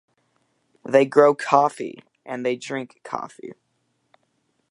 They grow coffee and they drink coffee.